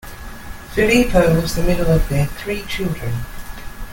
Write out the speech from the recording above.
Filippo was the middle of their three children.